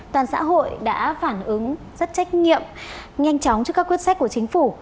toàn xã hội đã phản ứng rất trách nhiệm nhanh chóng trước các quyết sách của chính phủ